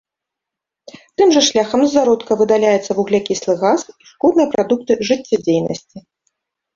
Тым жа шляхам з зародка выдаляецца вуглякіслы газ і шкодныя прадукты жыццядзейнасці.